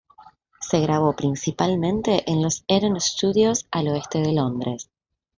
Se grabó principalmente en los Eden Studios al oeste de Londres.